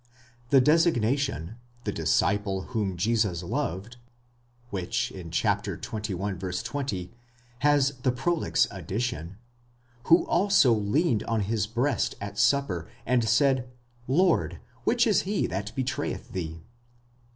The designation, the disciple whom Jesus loved, which in xxi. 20 has the prolix addition, who also leaned on his breast at supper, and said, Lord which is he that betrayeth thee?